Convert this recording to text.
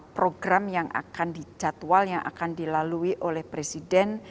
program yang akan dijadwal yang akan dilalui oleh presiden